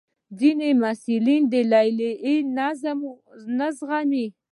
ځینې محصلین د لیلیې نظم نه زغمي.